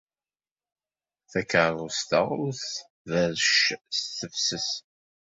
Takeṛṛust-a ur tbeṛṛec s tefses.